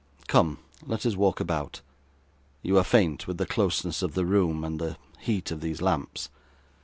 Come, let us walk about. You are faint with the closeness of the room, and the heat of these lamps.